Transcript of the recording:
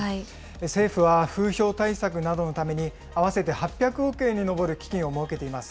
政府は風評対策などのために合わせて８００億円に上る基金を設けています。